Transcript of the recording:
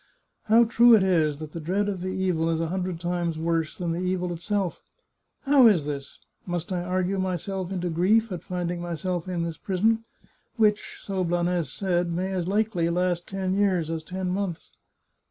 How true it is that the dread of the evil is a hundred times worse than the evil itself ! How is this ? Must I argue myself into g^ief at find ing myself in this prison, which, so Blanes said, may as likely last ten years as ten months?